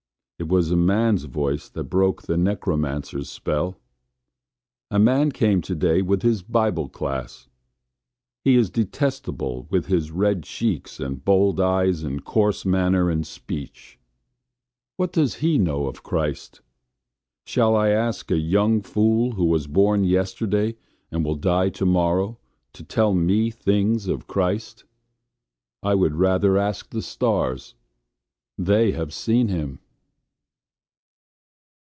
It was a man's voice that broke the necromancer's spell. A man came to day with his "Bible Class." He is detestable with his red cheeks and bold eyes and coarse manner and speech. What does he know of Christ? Shall I ask a young fool who was born yesterday and will die tomorrow to tell me things of Christ? I would rather ask the stars: they have seen him.